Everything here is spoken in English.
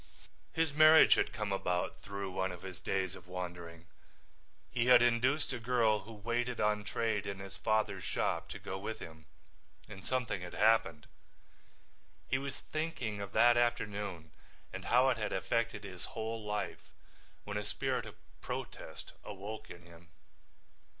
His marriage had come about through one of his days of wandering. He had induced a girl who waited on trade in his father's shop to go with him and something had happened. He was thinking of that afternoon and how it had affected his whole life when a spirit of protest awoke in him.